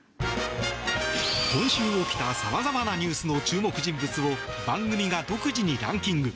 今週起きた様々なニュースの注目人物を番組が独自にランキング。